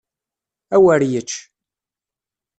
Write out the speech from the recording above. Awer yečč!